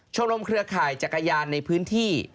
ชมรมเครือข่ายจักรยานในพื้นที่